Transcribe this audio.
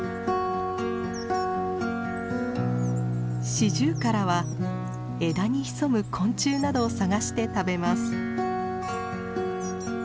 シジュウカラは枝に潜む昆虫などを探して食べます。